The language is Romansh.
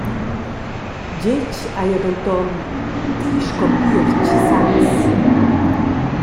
Getg hai jeu denton: «Ti sco piertg sas …».